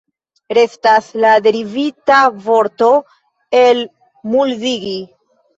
Restas la derivita vorto elmuldigi.